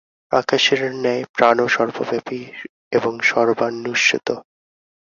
আকাশের ন্যায় প্রাণও সর্বব্যাপী এবং সর্বানুস্যূত।